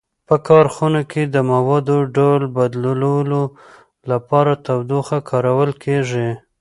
په کارخانو کې د موادو ډول بدلولو لپاره تودوخه کارول کیږي.